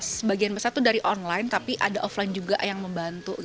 sebagian besar itu dari online tapi ada offline juga yang membantu